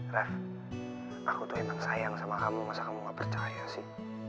raff aku tuh emang sayang sama kamu masa kamu gak percaya sih